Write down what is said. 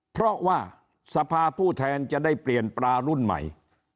เพราะว่าสภาผู้แทนจะได้เปลี่ยนปลารุ่นใหม่